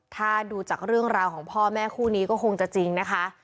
ถ้าดูจากเรื่องราวของพ่อแม่คู่นี้ก็คงจะจริงนะคะ